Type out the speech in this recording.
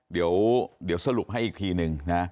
เดี๋ยวสรุปให้อีกทีนึงนะ